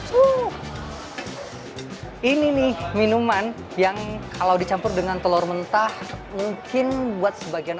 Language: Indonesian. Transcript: hai ini nih minuman yang kalau dicampur dengan telur mentah mungkin buat sebagian